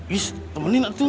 is teman ini gak tuh